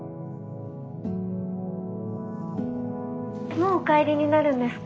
もうお帰りになるんですか？